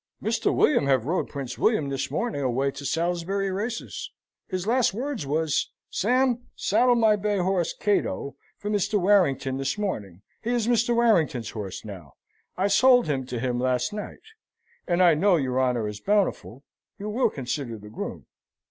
"Mr. William have rode Prince William this morning away to Salisbury Races. His last words was, 'Sam, saddle my bay horse, Cato, for Mr. Warrington this morning. He is Mr. Warrington's horse now. I sold him to him last night.' And I know your honour is bountiful: you will consider the groom."